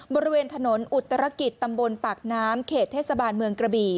บริเวณถนนอุตรกิจตำบลปากน้ำเขตเทศบาลเมืองกระบี่